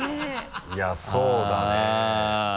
いやそうだね。